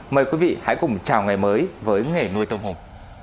mời quý vị hãy cùng chào ngày mới với nghề nuôi tôm hùm